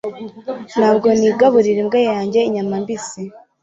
ntabwo nigaburira imbwa yanjye inyama mbisi